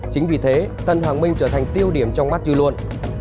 chính vì thế tân hoàng minh trở thành tiêu điểm trong mắt dư luận